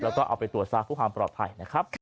แล้วก็เอาไปตรวจซะเพื่อความปลอดภัยนะครับ